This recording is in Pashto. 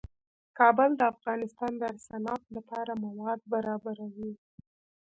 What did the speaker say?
کابل د افغانستان د صنعت لپاره مواد برابروي.